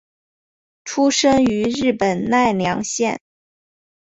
出身于日本奈良县。